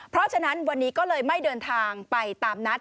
เพราะฉะนั้นวันนี้ก็เลยไม่เดินทางไปตามนัด